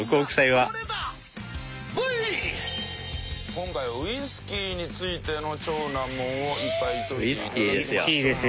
今回はウイスキーについての超難問をいっぱい解いて頂きます。